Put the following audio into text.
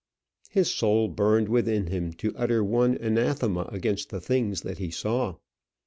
His soul burned within him to utter one anathema against the things that he saw.